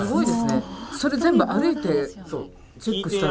それ全部歩いてチェックして。